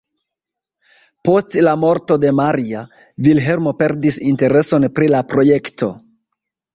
Post la morto de Maria, Vilhelmo perdis intereson pri la projekto.